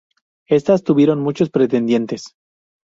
Estas tuvieron muchos pretendientes.